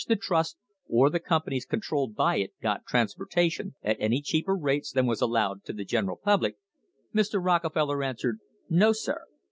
132] the trust or the companies controlled by it got transportation at any cheaper rates than was allowed to the general public, Mr. Rockefeller answered: "No, sir."